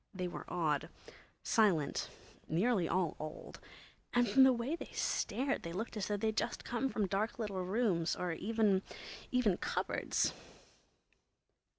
They were odd, silent, nearly all old, and from the way they stared they looked as though they'd just come from dark little rooms or even—even cupboards!